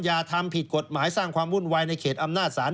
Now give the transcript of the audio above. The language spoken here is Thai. อย่าทำผิดกฎหมายสร้างความวุ่นวายในเขตอำนาจศาล